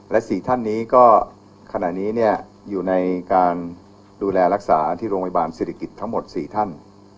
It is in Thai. และ๔ท่านนี้อยู่ในการดูแลรักษาที่โรงยุโรธิบาลศิริกิจทั้งหมด๔ท่าน